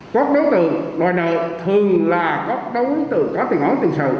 các đối tượng đòi nợ thường là các đối tượng có tiền ổn tiền sầu